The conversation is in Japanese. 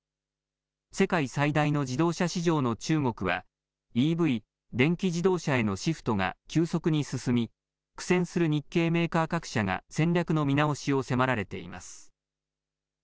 世界最大の自動車市場の中国はＥＶ・電気自動車へのシフトが急速に進み苦戦する日系メーカー各社が戦略の見直しを迫られています。